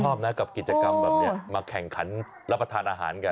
ชอบนะกับกิจกรรมแบบนี้มาแข่งขันรับประทานอาหารกัน